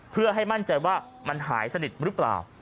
เพื่อให้มั่นใจว่ามันหายสนิทหรือเปล่า